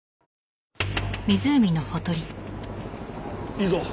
いいぞ。